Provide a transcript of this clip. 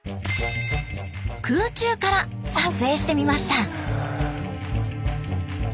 空中から撮影してみました。